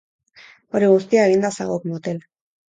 Hori guztia eginda zagok motel!